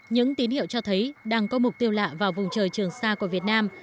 những tín hiệu cho thấy đang có mục tiêu lạ vào vùng trời trường xa của việt nam